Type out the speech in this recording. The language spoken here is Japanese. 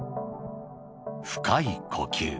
［深い呼吸］